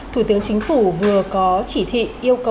thủ tướng chính phủ vừa có chỉ thị yêu cầu